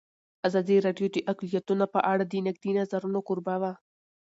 ازادي راډیو د اقلیتونه په اړه د نقدي نظرونو کوربه وه.